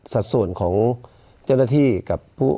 สัดส่วนของเจ้าหน้าที่กับผู้